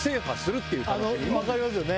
分かりますよね